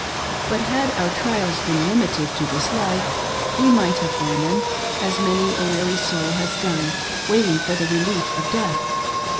But had our trials been limited to this life we might have borne them, as many a weary soul has done, waiting for the relief of death.